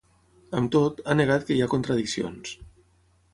Amb tot, ha negat que hi ha “contradiccions”.